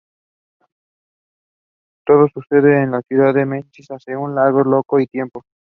Todo sucede en la ciudad de Memphis de hace un largo y loco tiempo.